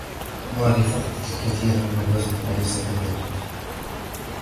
ماري قد فقدت الكثير من الوزن أليس كذلك؟